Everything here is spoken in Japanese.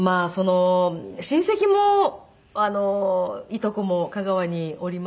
親戚もいとこも香川におりますし。